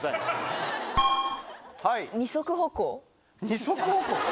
二足歩行？